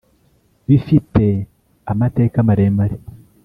bifite amateka maremare